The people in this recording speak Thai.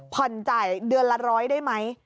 ผ่อนจ่ายเดือนละร้อยได้ไหม